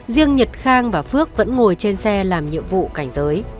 riêng nhật khang và phước vẫn ngồi trên xe làm nhiệm vụ cảnh giới